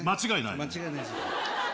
間違いないです。